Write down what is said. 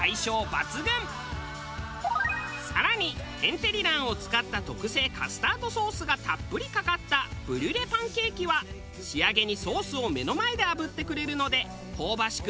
更に天てり卵を使った特製カスタードソースがたっぷりかかったブリュレパンケーキは仕上げにソースを目の前であぶってくれるので香ばしく